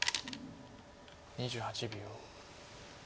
２８秒。